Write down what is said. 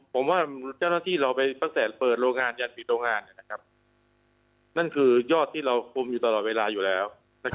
ผมว่าเจ้าหน้าที่เราไปตั้งแต่เปิดโรงงานยันปิดโรงงานนั่นคือยอดที่เราคุมอยู่ตลอดเวลาอยู่แล้ว